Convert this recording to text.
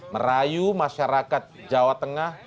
merayu masyarakat jawa tengah